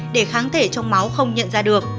để kháng thể trong máu không nhận ra được